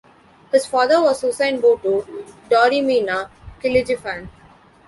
His father was Husain Bodu Dorimena Kilegefan.